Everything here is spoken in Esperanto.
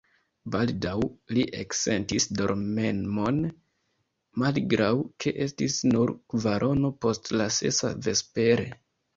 Baldaŭ li eksentis dormemon, malgraŭ ke estis nur kvarono post la sesa vespere.